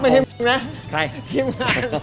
ไม่เผ่ยทรัพย์นะ